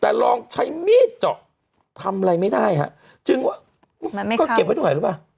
แต่ลองใช้มีดเจาะทำอะไรไม่ได้ฮะจึงว่าก็เก็บไว้ตรงไหนรู้ป่ะ